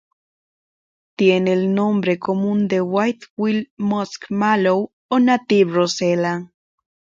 Tiene el nombre común de White Wild Musk Mallow o Native Rosella.